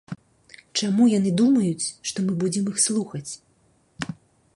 Чаму яны думаюць, што мы будзем іх слухаць?